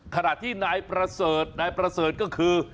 ขณะที่นายประเสริฐนายประเสริฐก็คือ